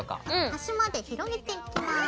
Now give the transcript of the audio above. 端まで広げていきます。